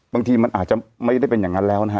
บางทีมันอาจจะไม่ได้เป็นอย่างนั้นแล้วนะฮะ